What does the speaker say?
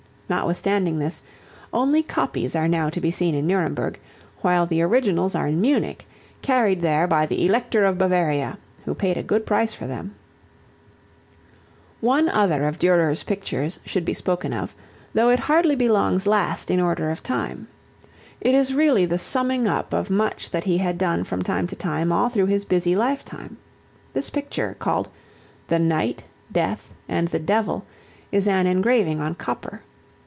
Notwithstanding this, only copies are now to be seen in Nuremberg, while the originals are in Munich, carried there by the Elector of Bavaria, who paid a good price for them. [Illustration: THE KNIGHT, DEATH AND THE DEVIL Durer] One other of Durer's pictures should be spoken of, though it hardly belongs last in order of time. It is really the summing up of much that he had done from time to time all through his busy life time. This picture, called "The Knight, Death and the Devil," is an engraving on copper.